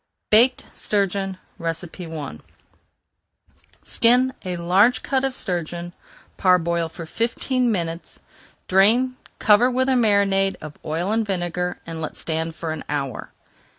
BAKED STURGEON I Skin a large cut of sturgeon, parboil for fifteen minutes, drain, cover with a marinade of oil and vinegar, and let stand for an hour.